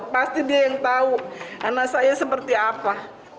pasti dia yang tahu anak saya seperti apa